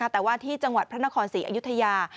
แต่ว่าที่จังหวัดพระนครศรีอยุธยา